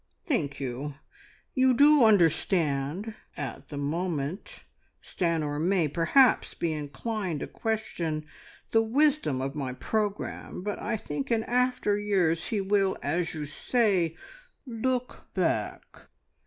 "Thank you. You do understand. At the moment Stanor may perhaps be inclined to question the wisdom of my programme, but I think in after years he will, as you say, look back.